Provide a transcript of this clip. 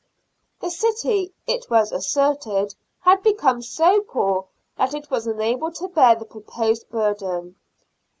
The city, it was asserted, had become so poor that it was unable to bear the proposed burden.